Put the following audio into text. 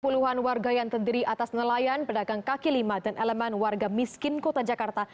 puluhan warga yang terdiri atas nelayan pedagang kaki lima dan elemen warga miskin kota jakarta